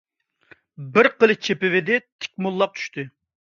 بىر قىلىچ چېپىۋىدى، تىك موللاق چۈشتى.